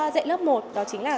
dạy lớp một đó chính là